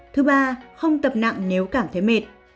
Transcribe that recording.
thứ ba không tập nặng nếu cảm thấy mệt